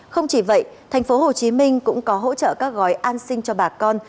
không chỉ vậy thành phố hồ chí minh cũng có hỗ trợ các gói an sinh cho bà con